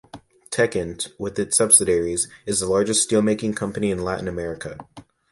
Techint, with its subsidiaries, is the largest steel making company in Latin America.